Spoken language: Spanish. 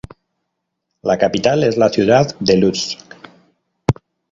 La capital es la ciudad de Lutsk.